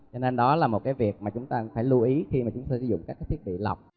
cho nên đó là một cái việc mà chúng ta phải lưu ý khi mà chúng tôi sử dụng các cái thiết bị lọc